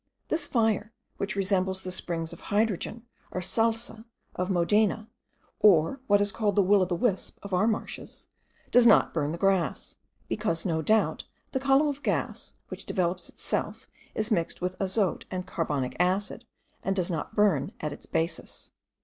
This fire, which resembles the springs of hydrogen, or Salse, of Modena, or what is called the will o' the wisp of our marshes, does not burn the grass; because, no doubt, the column of gas, which develops itself, is mixed with azote and carbonic acid, and does not burn at its basis.